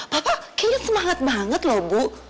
bapak kayaknya semangat banget loh bu